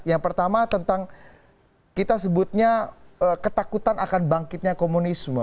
yang pertama tentang kita sebutnya ketakutan akan bangkitnya komunisme